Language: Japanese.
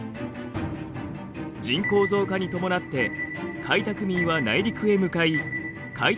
人口増加に伴って開拓民は内陸へ向かい開拓